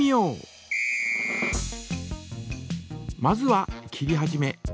まずは切り始め。